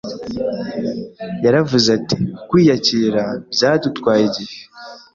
yaravuze ati “kwiyakira byadutwaye igihe